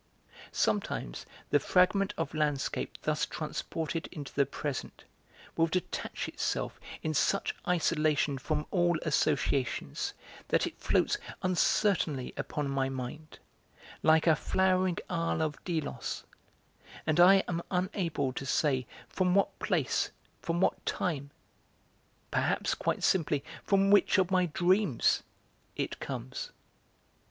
Sometimes the fragment of landscape thus transported into the present will detach itself in such isolation from all associations that it floats uncertainly upon my mind, like a flowering isle of Delos, and I am unable to say from what place, from what time perhaps, quite simply, from which of my dreams it comes.